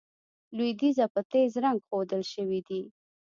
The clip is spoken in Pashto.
لوېدیځه په تېز رنګ ښودل شوي دي.